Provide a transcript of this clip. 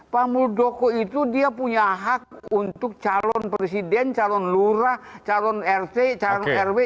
pak muldoko itu dia punya hak untuk calon presiden calon lurah calon rt calon rw